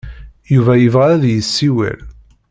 Yuba yebɣa ad yessiwel.